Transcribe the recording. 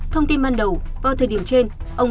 thông tin ban đầu vào thời điểm trên